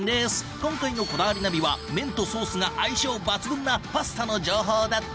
今回の『こだわりナビ』は麺とソースが相性抜群なパスタの情報だって！